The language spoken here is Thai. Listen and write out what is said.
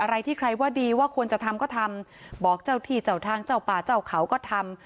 อะไรที่ใครว่าดีว่าควรจะทำก็ทำบอกเจ้าที่เจ้าทางเจ้าป่าเจ้าเขาก็ทำ